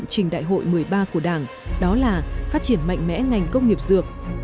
và thực hiện trình đại hội một mươi ba của đảng đó là phát triển mạnh mẽ ngành công nghiệp dược